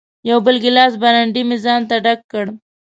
یو بل ګیلاس برانډي مې ځانته ډک کړ.